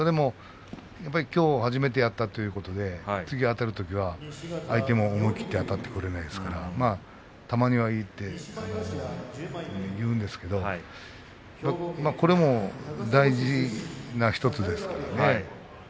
きょう初めてやったということで次あたるときは相手も思い切ってあたってくるでしょうからたまにはいいと言うんですけどこれも大事な１つですからね。